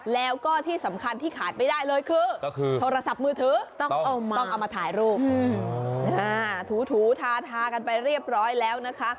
แล้วก็ที่สำคัญที่ขาดไปได้เลยคือ